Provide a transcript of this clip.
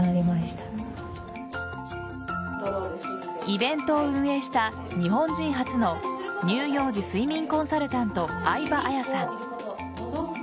イベントを運営した日本人初の乳幼児睡眠コンサルタント愛波あやさん。